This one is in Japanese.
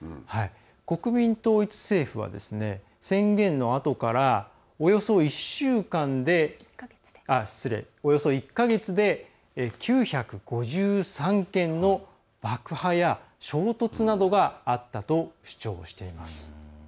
国民統一政府は宣言のあとからおよそ１か月で９５３件の爆破や衝突などがあったと主張しています。